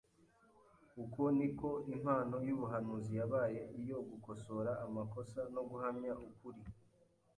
Uko ni ko impano y’ubuhanuzi yabaye iyo gukosora amakosa no guhamya ukuri.